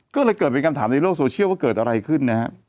ก็เลยเกิดเป็นคำถามในโลกโซเชียลว่าเกิดอะไรขึ้นนะฮะ